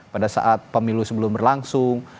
pada saat pemilu sebelum berlangsung